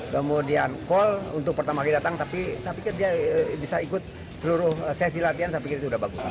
kemudian call untuk pertama kali datang tapi saya pikir dia bisa ikut seluruh sesi latihan saya pikir itu sudah bagus